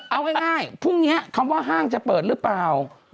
เอาง่ายพรุ่งนี้คำว่าห้างจะเปิดหรือเปล่า